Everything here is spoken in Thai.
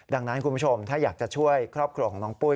ดังนั้นคุณผู้ชมถ้าอยากจะช่วยครอบครัวของน้องปุ้ย